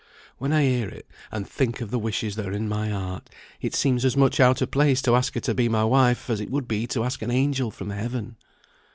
When I hear it, and think of the wishes that are in my heart, it seems as much out of place to ask her to be my wife, as it would be to ask an angel from heaven."